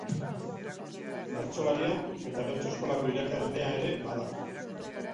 Bertsolaria eta bertso-eskolako irakaslea ere bada.